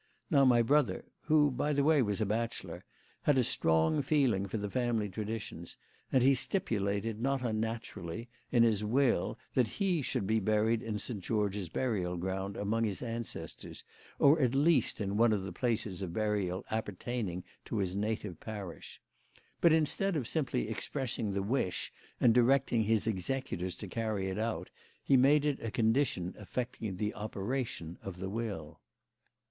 Now, my brother who, by the way, was a bachelor had a strong feeling for the family traditions, and he stipulated, not unnaturally, in his will that he should be buried in St. George's burial ground among his ancestors, or, at least, in one of the places of burial appertaining to his native parish. But instead of simply expressing the wish and directing his executors to carry it out, he made it a condition affecting the operation of the will."